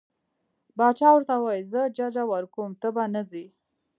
باچا ورته وویل زه ججه ورکوم ته به نه ځې.